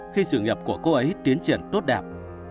khi sự nghiệp của cô ấy tiến triển tốt đẹp